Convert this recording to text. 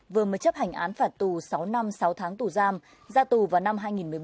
vừa mới chấp hành án phạt tù sáu năm sáu tháng tù giam ra tù vào năm hai nghìn một mươi bảy